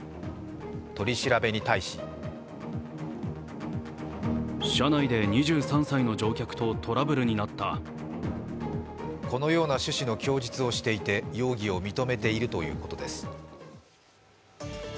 取り調べに対しこのような趣旨の供述をしていて容疑を認めているということです。